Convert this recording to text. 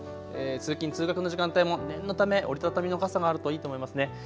通勤通学の時間帯も念のため折り畳みの傘があるといいと思いますね。